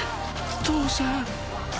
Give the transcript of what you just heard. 父さん。